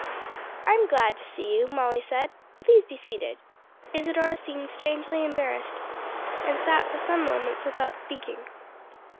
"I'm glad to see you," Molly said. "Please be seated." Isadore seemed strangely embarrassed and sat for some moments without speaking.